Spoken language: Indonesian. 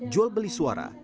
jual beli suara